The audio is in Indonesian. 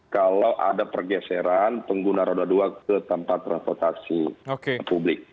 kalau ada pergeseran pengguna roda dua ke tempat transportasi publik